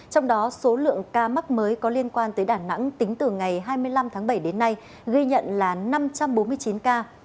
trong đó số lượng ca mắc mới có liên quan tới đà nẵng tính từ ngày hai mươi năm tháng bảy đến nay ghi nhận là năm trăm bốn mươi chín ca